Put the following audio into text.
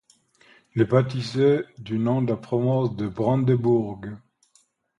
Il est baptisé du nom de la province de Brandebourg.